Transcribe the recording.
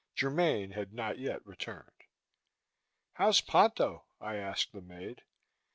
Germaine had not yet returned. "How's Ponto?" I asked the maid.